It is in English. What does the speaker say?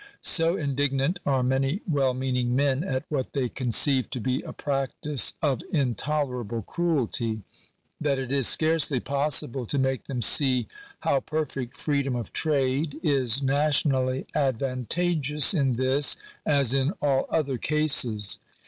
So indignant are many well meaning men at what they conceive to be a practice of intolerable cruelty, that it is scarcely possible to make them see how perfect freedom of trade is nationally advantageous in this, as in all other cases.